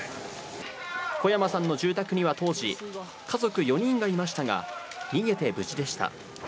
小山さんの住宅には当時、家族４人がいましたが、逃げて無事でした。